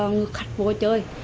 người khách vô chơi